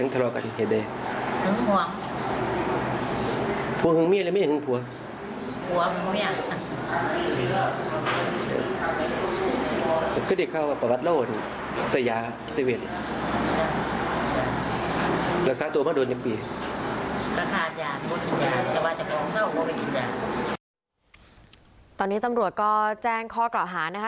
ตอนนี้ตำรวจก็แจ้งคอเกราะหานะครับ